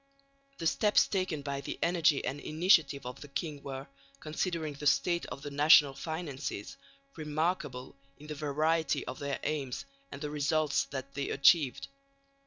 The steps taken by the energy and initiative of the king were, considering the state of the national finances, remarkable in the variety of their aims and the results that they achieved.